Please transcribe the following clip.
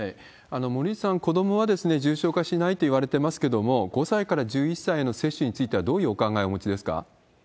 森内さん、こどもは重症化しないといわれてますけれども、５歳から１１歳の接種についてはどういうお考えをお持ちですか？